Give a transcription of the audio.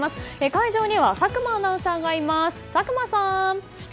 会場には佐久間アナウンサーがいます。